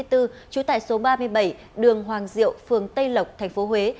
trú tại số ba mươi bảy đường hoàng diệu phường tây lộc tp huế